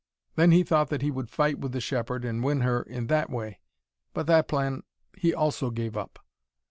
Then he thought that he would fight with the shepherd, and win her in that way. But that plan he also gave up.